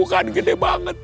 tuh kan gede banget